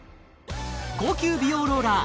高級美容ローラー